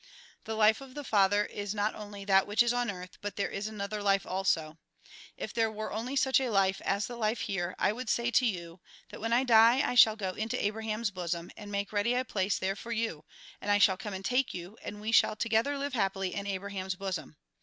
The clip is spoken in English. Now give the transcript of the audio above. The life of the Father is not only that which is on earth, but there is another life also, If there were only such a life as the life here, I would say to you, that when I die I shall go into Abraham's bosom, and make ready a place there 1S7 138 THE GOSPEL IN BRIEF for you, and I shall come and take you, and we shall together live happily in Abraham's bosom.